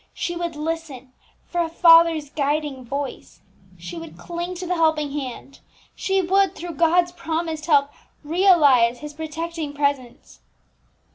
She would listen for a Father's guiding voice; she would cling to the helping Hand; she would, through God's promised help, realize His protecting presence.